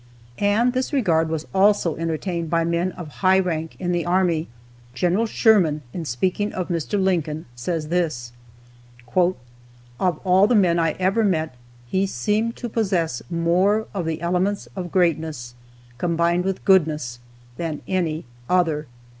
And this regard was also entertained by men of high rank in the army. Gen. Sherman, in speaking of Mr. Lincoln, says this: "Of all the men I ever met, he seemed to possess more of the elements of greatness, combined with goodness, than any other."